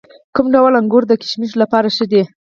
کوم ډول انګور د کشمشو لپاره ښه دي؟